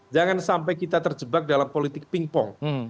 jangan sampai kita terjebak dalam politik ping pong